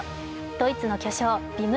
ドイツの巨匠、ヴィム・